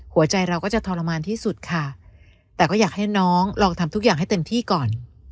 เราก็จะทรมานที่สุดค่ะแต่ก็อยากให้น้องลองทำทุกอย่างให้เต็มที่ก่อน